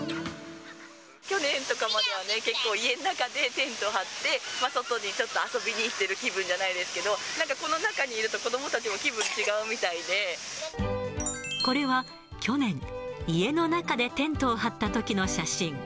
去年とかまではね、結構、家の中でテント張って、外にちょっと遊びに行ってる気分じゃないですけど、なんかこの中にいると、これは、去年、家の中でテントを張ったときの写真。